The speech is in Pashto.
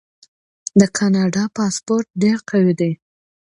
د کاناډا پاسپورت ډیر قوي دی.